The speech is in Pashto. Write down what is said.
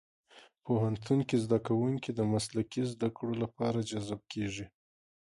پوهنتون کې زدهکوونکي د مسلکي زدهکړو لپاره جذب کېږي.